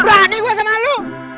berani gue sama lu